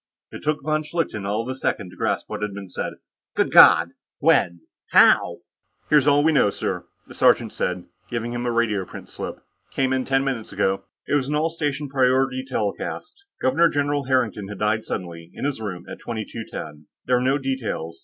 It took von Schlichten all of a second to grasp what had been said. "Good God! When? How?" "Here's all we know, sir," the sergeant said, giving him a radioprint slip. "Came in ten minutes ago." It was an all station priority telecast. Governor General Harrington had died suddenly, in his room, at 2210; there were no details.